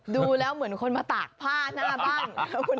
ดูแล้วเหมือนคนมาตากผ้าหน้าบ้าน